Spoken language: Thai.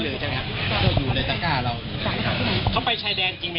พี่จะได้ไปทำงานของเจ้าสะพรุนหมอ